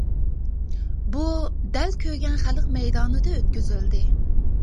بۇ دەل كۆرگەن خەلق مەيدانىدا ئۆتكۈزۈلدى.